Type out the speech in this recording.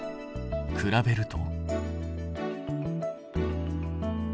比べると。